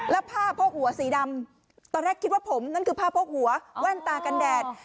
แล้วผ้าโพกหัวสีดำตอนแรกคิดว่าผมนั่นคือผ้าโพกหัวแว่นตากันแดด